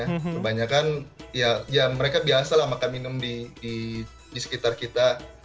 kebanyakan ya mereka biasa lah makan minum di sekitar kita